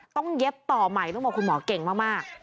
เย็บต่อใหม่ต้องบอกคุณหมอเก่งมาก